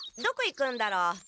どこ行くんだろう？